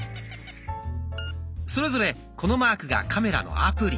それぞれこのマークがカメラのアプリ。